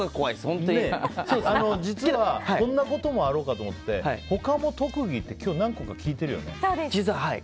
実はこんなこともあろうかと思って他の特技って今日、何個か聞いてるよね？